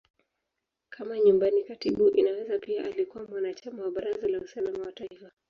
Kama Nyumbani Katibu, Inaweza pia alikuwa mwanachama wa Baraza la Usalama wa Taifa.